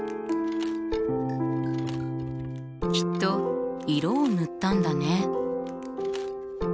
きっと色を塗ったんだね。